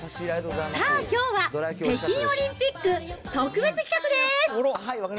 さあ、きょうは北京オリンピック特別企画です。